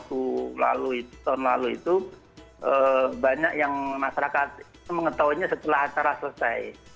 tahun lalu tahun lalu itu banyak yang masyarakat mengetahuinya setelah acara selesai